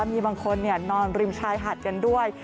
มีบางคนนอนริมชายหาดกันด้วย